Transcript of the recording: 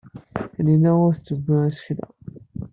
Tanina ur tettebbi isekla.